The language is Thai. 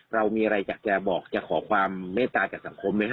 เรามีอะไรอยากจะบอกจะขอความเมตตาจากสังคมไหมฮ